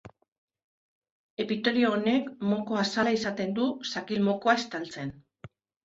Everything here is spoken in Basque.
Epitelio honek moko-azala izaten du zakil-mokoa estaltzen.